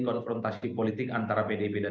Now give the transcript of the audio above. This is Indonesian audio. konfrontasi politik antara pdip dan